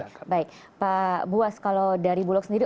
jadi pak buas kalau dari bulog sendiri